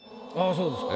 そうですか。